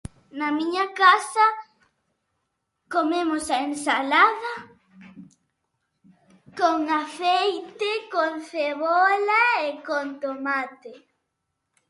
Na miña casa comemos a ensalada con aceite, con cebola e con tomate.